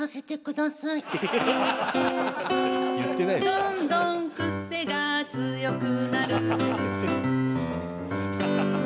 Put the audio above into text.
「どんどん癖が強くなる」